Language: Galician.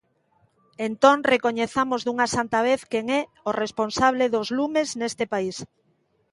Entón, recoñezamos dunha santa vez quen é o responsable dos lumes neste país.